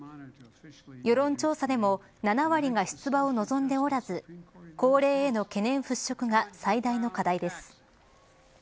世論調査でも７割が出馬を望んでおらず高齢への懸念払拭が最大の課題です。